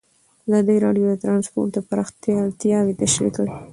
ازادي راډیو د ترانسپورټ د پراختیا اړتیاوې تشریح کړي.